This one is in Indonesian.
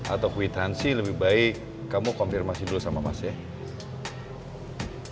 atau kuitansi lebih baik kamu konfirmasi dulu sama mas ya